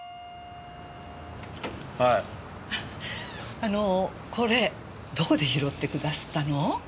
あのこれどこで拾ってくださったの？